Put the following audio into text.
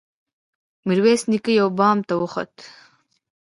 ميرويس نيکه يوه بام ته وخوت.